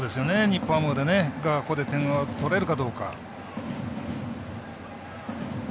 日本ハムがここで点が取れるかどうか。